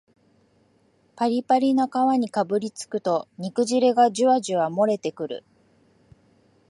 パリパリの皮にかぶりつくと肉汁がジュワジュワもれてくる